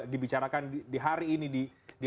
dibicarakan di hari ini